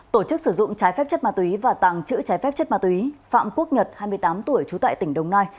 tổ chức sử dụng trái phép chất ma túy và tàng trữ trái phép chất ma túy phạm quốc nhật hai mươi tám tuổi trú tại tỉnh đồng nai